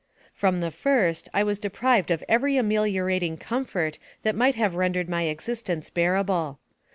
From the first, I was deprived of every ameliorat ing comfort that might have rendered my existence bearable.